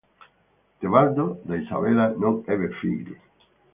Tebaldo da Isabella non ebbe figli.